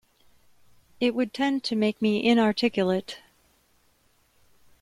It would tend to make me inarticulate.